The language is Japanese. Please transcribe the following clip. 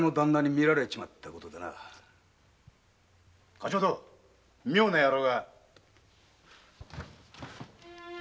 貸元妙な野郎が。